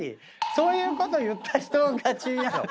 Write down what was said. そういうこと言った人勝ちなの？